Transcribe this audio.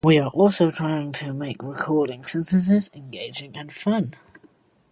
we are also trying to make recording sentences engaging and fun.